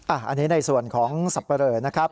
อันนี้ในส่วนของสับปะเรอนะครับ